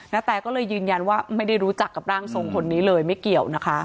แตก็เลยยืนยันว่าไม่ได้รู้จักกับร่างทรงคนนี้เลยไม่เกี่ยวนะคะ